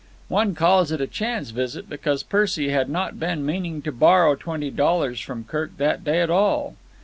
One calls it a chance visit because Percy had not been meaning to borrow twenty dollars from Kirk that day at all.